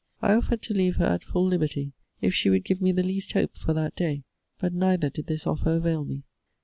I offered to leave her at full liberty, if she would give me the least hope for that day. But neither did this offer avail me.